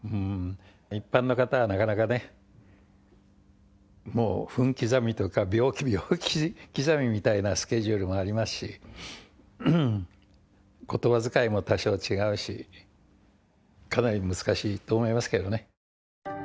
一般の方は、なかなかね、もう分刻みとか秒刻みみたいなスケジュールもありますし、ことばづかいも多少違うし、かなり難しいと思いますけれどもね。